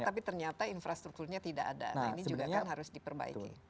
tapi ternyata infrastrukturnya tidak ada ini juga kan harus diperbaiki